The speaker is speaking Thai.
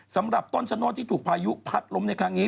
สำหรับต้นชะโนธที่ถูกพายุพัดล้มในครั้งนี้